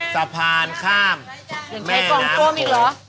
สะพานข้ามแม่น้ำโค่